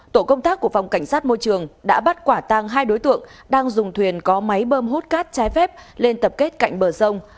tổ công tác của phòng cảnh sát môi trường đã bắt quả tăng hai đối tượng đang dùng thuyền có máy bơm hút cát trái phép lên tập kết cạnh bờ sông